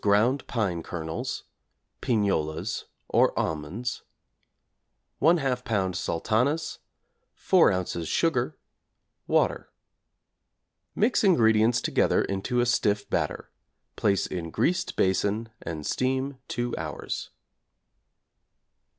ground pine kernels, pignolias or almonds, 1/2 lb. sultanas, 4 ozs. sugar, water. Mix ingredients together into a stiff batter; place in greased basin and steam 2 hours.